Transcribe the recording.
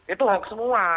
itu hoax semua